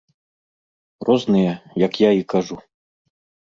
Розныя, як я і кажу.